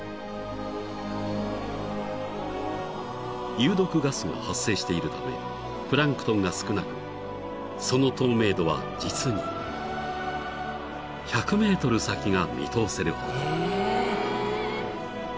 ［有毒ガスが発生しているためプランクトンが少なくその透明度は実に１００ｍ先が見通せるほど］